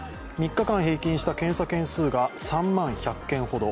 ３日間平均した検査件数が３万１０００件ほど。